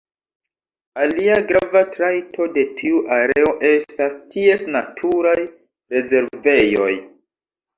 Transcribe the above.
Alia grava trajto de tiu areo estas ties naturaj rezervejoj.